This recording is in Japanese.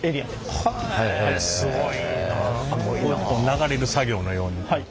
流れる作業のように。